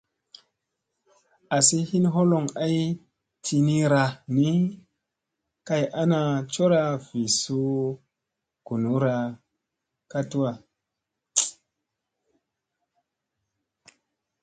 Azi hin holoŋ ay tinirani, kay ana cora vl suu gunura ka tuwa.